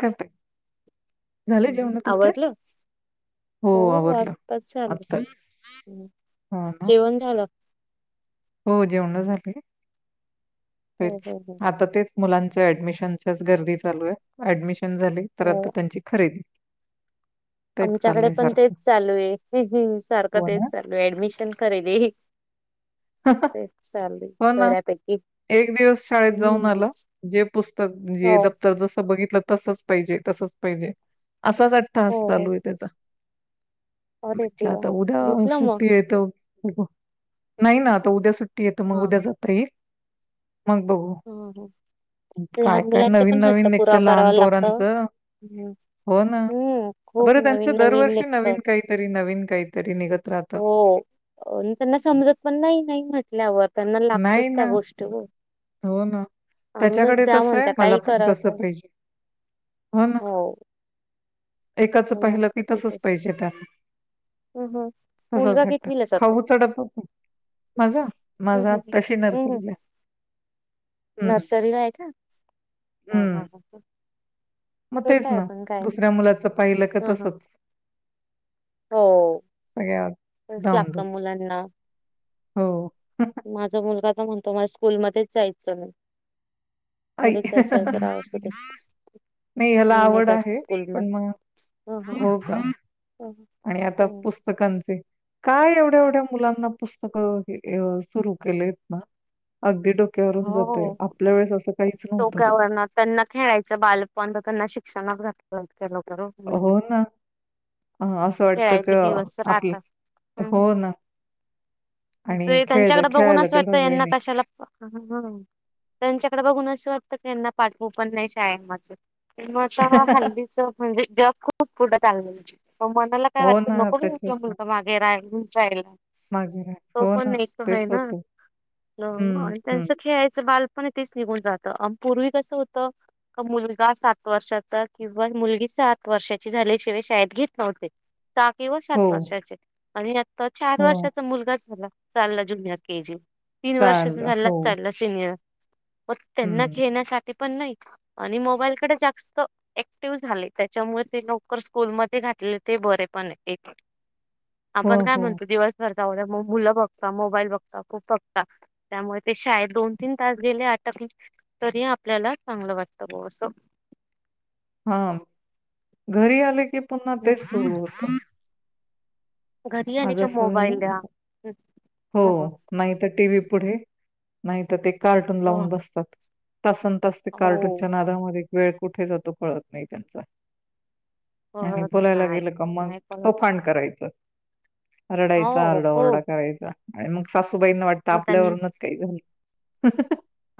करते. झाले हं, जेवण तुमची? आवरलं? हो आवरलं आत्ताच झालं. आता हं, हो ना. जेवण झालं? हो जेवण झाले हो तेच हो हो. आता तेच मुलांच ऍडमिशनच्याच गर्दी चालू आहे ऍडमिशन झाली तर आता हो त्यांची खरेदी, तेच आमच्याकडे चाललंय पण तेच सारखं. चालू आहे. सारखं हो तेच ना. चालू आहे ऍडमिशन खरेदी ते चालू हो ना. बर्यापैकी एक दिवस शाळेत जाऊन आलं. जे पुस्तक म्हणजे हो दप्तर जसं बघितलं. तसच पाहिजे तसच पाहिजे असाच हो अठठाास हो चालू आहे त्याचा अरे म्हटलं देवा आता उद्या घेतलं मग सुटी येत. नाही ना आता उद्या सुट्टी येतं मग हा उद्या हा. जातई ह काय लहान काय मुलांचा नवीन पण हट्ट नवीन निघतं पुराव कराव लहान लागत. पोरांचं हम्म हो ना हम्म खूप बरं नवीन त्यांचं दरवर्षी निघत नवीन काहीतरी नवीन काहीतरी निघत राहत. अ त्यांना समजत पण नाही नाही म्हटल्यावर त्यांना नाही लागतच त्या ना गोष्टी हो ना आणूनच त्याच्याकडे द्या तसं आहे म्हणतात मला काही पण तसं करावत्या पाहिजे हो एकाचं पाहिलं मुलांच की तेच तसच असतं पाहिजे त्यात, हं हं तसंच मुलगा वाटत कितवीला जातो? खाऊ च डबा पण माझा माझा आताशी नर्सरीला हम्म नर्सरी ला आहे का. हम्म मग छोटा तेच आहे ना पण काय दुसऱ्या मुलाचं पाहिलं क हा हा तसंच हो सगळ्या तसेच लागत धामधूम मुलांना हो माझा मुलगा तर म्हणतो मला स्कूल मध्येच जायचं नाही. आई घरेच असं आहे तररावध [unintelligible] नाही याला आवड आहे पण मग हं हं हो का हं आणि आता हं पुस्तकांचे काय एवढ्या एवढ्या मुलांना पुस्तकं सुरू केलेत ना. अगदी डोक्यावरून जातंय. हो आपल्या वेळेस असं काहीच नव्हतं. डोक्यावर त्यांना खेळायचं बालपण शिक्षणात चलो करू [unintelligible] हो ना. अ, असं वाटतं की खेळायचे अ, दिवस आपलं राहता हो हम् ना आणि ते खेळ त्यांच्याकडें खेळायला बघूनच तेवढा वाटत वेळ यांना नाही. कशाला ह ह त्यांच्याकडे बघून असं वाटतं की यांना पाठवू पण नाही शाळेत माझ मग अशानं हल्लीच म्हणजे जग खूप पुढे चाललंय मनाला काय हो वाटतं ना, नको त्याच्याच मग मुलगा मागे राहायला. मागे राहायचं. तो हो ना, पण एक आहे तेच ना होतं. हं, आणि हं. त्यांच खेळायचं बाल पण तेच निघून जातं पूर्वी कस होतं मुलगा सात वर्षाचा किंवा मुलगी सात वर्षाची झाल्या शिवाय शाळेत घेत नव्हते. केवळ हो, सात वर्षाचे आणि आता चार हो. वर्षाचा मुलगाच झाला चालला ज्युनियर के जी तीन चाल वर्षाचा झाला हो चालला त्यांना हं. खेळण्यासाठी पण नाही आणि मोबाईलकडे जास्त ऍक्टिव्ह झाले त्याच्यामुळे ते लवकर स्कूलमध्ये टाकतात. ते बरे पण एक हो, आपण काय हो. म्हणतो दिवसभर जाऊद्या मुलं बघता मोबाईल बघता खूप बघता त्यामुळे ते शाळेत दोन तीन तास गेले अटक तरी आपल्याला चांगलं वाटतं ब असं [unintelligible] हा घरी आले की पुन्हा हम्म. तेच सुरू होतं. घरी आले आज का अस मोबाईल झालं द्या हो हम्म. नाही तर टीव्ही पुढे नाही तर ते कार्टून हो लावून बसतात. तासन तास ते हो कार्टूनच्या नादामध्ये वेळ कुठे जातो कळत नाही त्यांचा आणि परत बोलायला नाही गेलं का मग नाही परत तोफडं करायचं रडायचा हो आरडा ओरडा खूप करायचा आणि मग सासूबाईंना वाटतं मग त्यांनी आपल्यावरूनच काही झालं.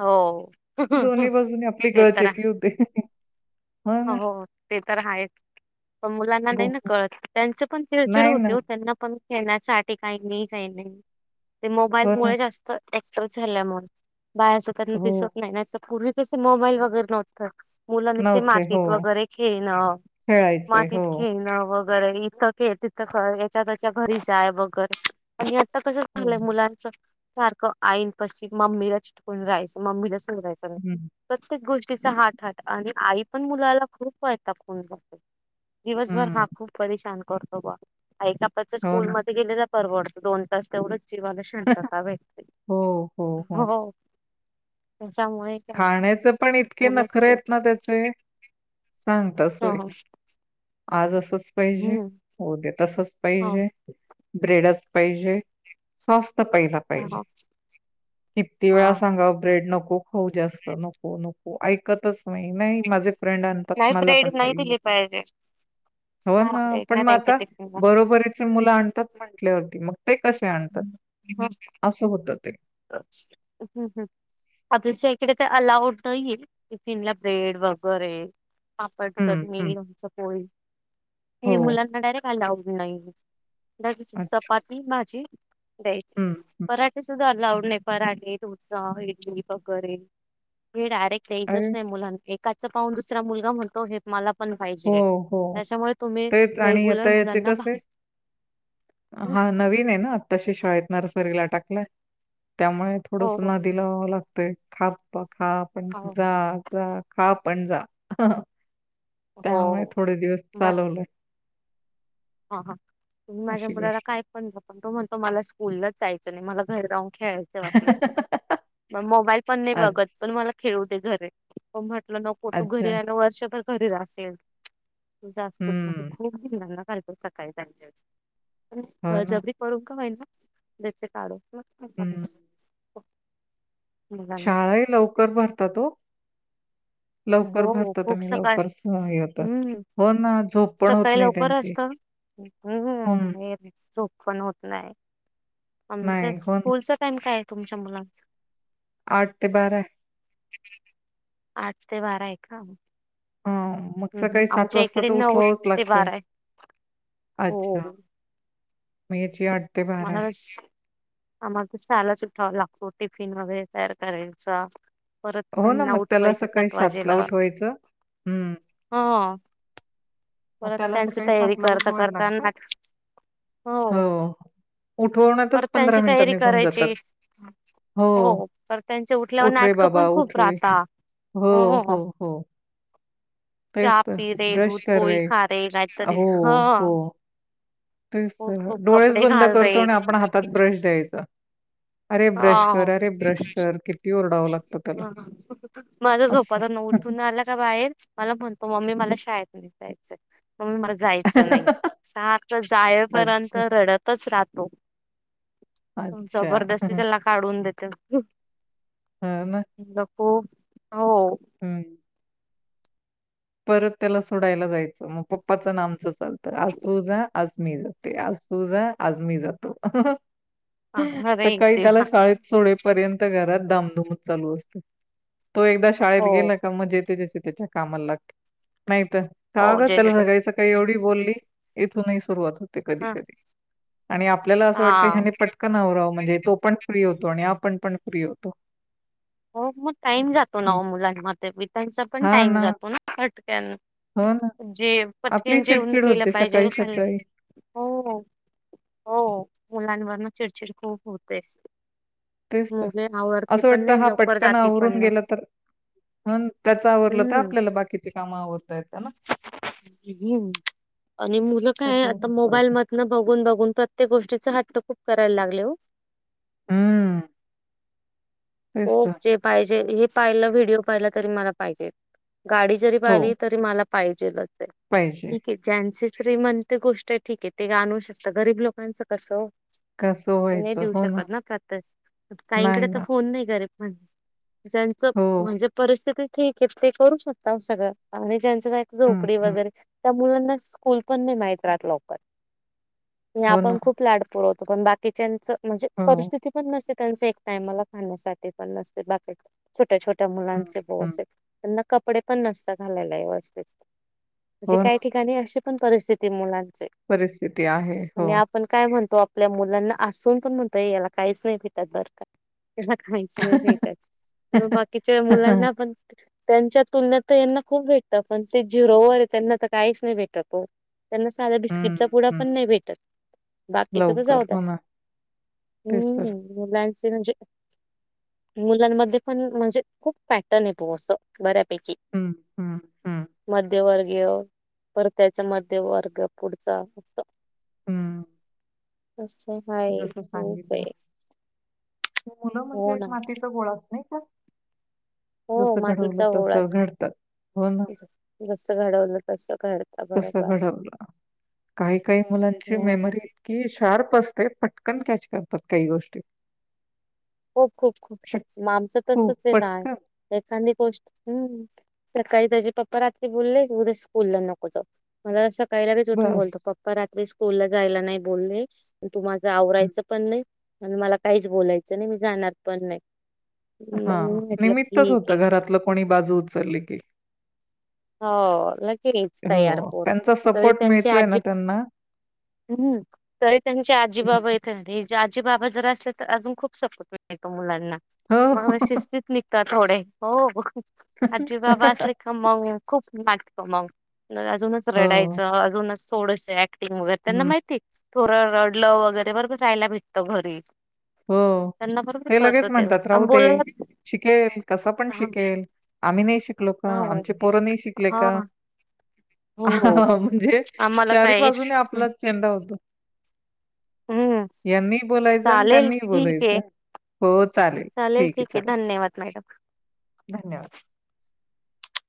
हो दोन्ही बाजून आपली ते तर आहे. गळचेपी होते हो ते तर आहेच पण मुलांना हो नाही ना हो. कळत त्यांच पण चिडचिड नाही ना होते हो त्यांना पण खेळण्यासाठी काही नाही काही नाही ते मोबाईल हो ना मुळे जास्त ऍक्टिव झाल्यामुळेण बाहेरच त्यांना हो दिसत नाही पूर्वी जसे मोबाईल वगैेरे नव्हतं मुला नव्हते हो मातीत वगैरे खेळणं खेळायचंय मातीत हो खेळणं. वगैरे इथं तिथ याच्या त्याच्या घरी जा वगैरे प कस हो झालंय मुलांच सारखं आईन पशी मम्मीला चिटकून राहायचं मम्मीला हं प्रतेक गोष्टी हात ह आणि आ पण मुलाला खूप वयता फोन दिवसभर हं हा खूप परेशान करतो बा ऐका्पाच्या हो स्कूल ना मध्ये गेले तर परवडत दोन तास तेवढं जीवाला शांतता भेटते हो. त्याच्यामुळे काय खाण्याचं पण इतके मुलंच नखरे ते आहेत ना त्याचे सांग त ह सोय ह आज अस तसंच पाहिजे हम्म उद्या तसंच हो. पाहिजे ब्रेडच पाहिजे सॉस् प ह पाहिजे ह किती हा वेळा सांगाव ब्रेड नको. हो जास्त नको नको ऐकतच नाई नाई माझे फ्रेंड आणतात नाही मला ब्रेड पण नाही पाहिजे. दिली हो नाही ना ब्रेड पण नाही मग द्यायचे आता टिफिनला. बरोबरीचे मुल आणतात म्हंटल्यावरती मग ते कसे आणतात? हम असं होतं ते. हम्म आपल्याच्या इकडे तर अलाउड नाही टिफिन ला ब्रेड वगेरे पापड, हं, चटणी, हं. लोनच पोळी हो. हे मुलांना डायरेक्ट आलाव अच्छा. चपाती भाझी द्यायची, हं, हं. पराठे सुद्धा अलाउड पराठे [unintelligible] इडली, प वगैरे हे डायरेक्ट द्यायचच अरे नाही मुलां याच पाहून दुसरा मुलगा म्हणतो हे मला पण हो, पाहिजेले हो. त्याच्यामुळे तुम्ही तेच रेगुलर मुलांना भाज् हा नवीन आहे ना, आता श शाळेत नरसरीला टाकलाय त्यामुळे हो थोडस हो नादी लावाव लागतय खाक खा पण हो जा, जा, खा पण जा. हो त्यामुळे थोडे दिवस बस चालवलेय. हा हा तुम्ही माझ्या मुलाला गोष्ट. काय पण पण तो म्हणतो मला स्कूलला च जायच नाही मला घर राहून खेळायच वापलस मग मोबाईल पण नाही बघत अच्छा, पण मला खेळू दे घरी तुला नको तू अच्छा. घरी आल्याव वर्षभर घरी राहशील, तु जास्त हं, खूप चालत सकाळी [unintelligible] हो ना. बळजबरी करू का होईना जसे काढ [inaudible] शाळाई लवकर भरतात ओ. लवकर हो भरतात खूप आणि सकाळ लवकर हे होतात. हम्म हो ना झोप पण होत सकाळी नाही लवकर त्यांची. असत हं, [unintelligible] झोप पण होत नाई. नाही. हो ना. स्कूलचा टाइम काय ये तुमच्या मुलांच? आठ ते बारा. आठ ते बाराएका? हा मग सकाळी सात वाजता तर नऊ उठवावंच ते लागतय. बारा आहे अच्छा, हो [unintelligible] मला आहे. आम्हाला तर सहालाच उठावा लागतो. टिफिन वगैरे तयार करायचा परत हो ना त्यांना मग त्याला उठवायचं सकाळी सात सातला वाजेला उठवायचं. हम्म. हा मग परत त्याला त्यांची सकाळी तयारी सातला करता उठवायला करता लागतं. नाट, हो पर उठवण्यातच पंधरा त्यांची मिनिटं तयारी निघून जातात. करायची हो तर त्यांचे उठल्याव उठ रे नाटकं पण बाबा उठ खूप रे. राहता हो तेच चहा तर, पी रे ब्रश दूध कर पोळी रे, खा काहीतरी हो ह हो तेच खूप त खूप डोळेच कपडे बंद घाल रे करतो आणि आपण हातात ब्रश द्यायचा. अरे ब्रश ह. करा रे ब्रश कर किती ओरडावं लागतं त्याला माझा असं. झोपातुन उठून आला का बाहेर मला म्हणतो मम्मी मला शाळेत जायचय म मला जायच नायी, सरख तर जायपर्यंत अच्छा, रडतच राहतो. अच्छा. जबरदस्ती त्याला काढून देते, खूप हो हम्म. परत त्याला सोडायला जायच, मग पप्पाच अन आमच चालत, आज तू जा आज मी जाते, आज तू जा, आज मी जातो. अरे एक सकाळी त्याला देवा शाळेत सोडेपर्यंत घरात धामधूमच चालू असते. तो एकदा शाळेत हो गेला का मग जे ते ज्याच्या त्याच्या कामाला लागत नाहीत, का हो ग जय त्याला जगदीश. सकाळी सकाळी एवढी बोलली इथूनही सुरुवात होती. कधी हा कधी, आणि आपल्याला असं वाटत हा ह्याने पटकन आवराव म्हणजे तो पण फ्री होतो आणि आपण पण फ्री होतो हो मग टाईम जातो ना ओ मुलांमध्ये [unintelligible] पण टाईम जातो ना पटकन हो ना. जे आपली पटकन जेवन चिडचिड केलं होते पाहिजे सकाळी-सकाळी. हो हो हो मुलांवर ना चिडचिड खूप होते मुले ना वरती पण नाय येत लव त्यांना आवरून गेलं तर, अन त्याच आवरलं तर हम्म आपल्याला बाकीचे काम आवरता येता ना हू! आणि मुलं काय आता त्याच्यावरून मोबाईल चालतं. मधनं बघून, बघून, प्रत्येक गोष्टीचा हट तो खूप करायला लागले हो! हूं! हो जे पाहिजे हे पाहिलं, व्हिडिओ पाहिलं तरी मला पाहिजेत गाडी जरी हो, पाहिली तरी मला पाहिजेलच आहे, पाहिजे. ठीक हे ज्यांचे श्रीमंत गोष्ट ठीक हे ते काय आणु शकत, गरीब लोकांचं कसं हो! कसं ते नही व्हायचं? देऊ हो शकत ना, प्रत्येक नाही काहींकडे तर ना. फोन नाही म्हण ज्यांच हो. म्हणजे परिस्थिती ठीक आहे ते करू शकता ओ सगळं, आणि ज्यांच काय हं, झोपडी हं. वगैरे त्या मुलांना स्कूल पण नाही माहित राहत लवकर, आणि हो ना. आपण खूप लाड पुरवतो पण बाकीच्यांच म्हणजे, हो. परिस्थिती पण नसते त्यांच एक टायमाला खाण्यासाठी ते पण नसतेत बाकी छोट्या, छोट्या, हं, मुलांचे हं. गॉसेप त्यांना कपडे पण नसता घालायला व्यवस्थित, म्हणजे हो काही ना. ठिकाणी अशी पण परिस्थिती मुलां परिस्थिती आहे. हो. आणि आपण काय म्हणतो आप आपल्या मुलांना असून पण म्हणतय, याला काहीच नाही भेटत बर का? खायचंय वैताग मग बाकीच्या मुलांना पण त्यांच्या तुलनेत तर यांना खूप भेटत, पण ते झिरोवर हे त्यांना तर काहीच नाही भेटत ओ त्यांना साधा हं, बिस्किटचा पुडा हं. पण नाही भेटत, बाकीच तर लवकर. जाऊद्या हो ना. तर! ते म्हणजे मुलांमध्ये पण म्हणजे, खूप पॅटर्न आहे बॉ असं बऱ्या पैकी हं, हं, हं, मध्यवर्ग अ परत त्याच्या मध्ये वर्ग पुढचा असं हूं! असं हाय खूप हे. मुलं म्हणजे एक मातीचा गोळाचं नाही का? हो जसं घडवलं मातीचा तसं गोळाच घडतात. हो ना. जसं घडवलं तसं घडतं बरोबर घडवलं काही काही मुलांची हो ना मेमरी इतकी शार्प असते पट कन कॅच करतात काही गोष्टी. खूप, खूप, शक खूप, मग आमचं खूप तसच आहे ना पटकन एखांदी गोष्ट हं सकाळी त्याचे पप्पा रात्री बोलले, उद्या स्कूलला नको जाऊ मला असं काय लगेच उठून बस. बोलतो, पप्पा रात्री स्कूलला जायला नाही बोलले, म तू माझं हं. आवरायचं पण नाही मग मला काहीच बोलायचं नाही, मी जाणार पण नाही. मग मी हां, म्हंटलं निमित्तच ठीक होतं हे घरातलं कोणी बाजू उचलली की. हो लगेच तयार हो, पोरं त्यांचा तरी सपोर्ट त्यांची मिळतोय ना आजी त्यांना हूं तरी त्यांचे आज्जी हं. बाबा इथं राहतील जे आजी बाबा जर असले तर, अजून खूप सपोर्ट भेटतो मुलांना, हो. मग शिस्तीत निघतात थोडे हो आज्जी बाबा असले, का मग खूप नाटकं मग मग अजूनच हो. रडायचं, अजूनच थोडसं ऍक्टिंग वगैरे त्यांना हं. माहितीय थोडं रडलं, वगैरे बरोबर राहायला भेटतं घरीच हो ते लगेच म्हणतात राहू अन् दे! बोलायला शिकेल, कसा पण हा शिकेल, आम्ही नाही शिकलो का, हो. आमचे पोर नाही शिक लेका. हां. अ ह हो. ह ह म्हणजे आम्हाला चारी काय बाजूने आपलाच चेंदा होतो हं. यांनी बोलायचं अनं चालेल त्यांनी ठीक आहे. बोलयचं हो चालेल ठीक आहे चला धन्यवाद. [inaudible]